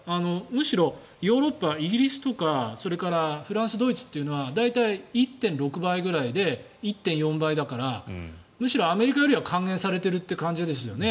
むしろヨーロッパイギリスとかそれからフランス、ドイツは１．６倍くらいで１．４倍だからむしろアメリカよりは還元されてるという感じですよね